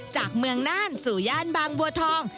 จากเมืองน่านสู่ย่านบางบัวทอง